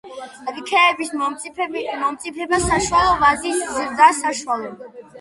რქების მომწიფება საშუალო, ვაზის ზრდა საშუალო.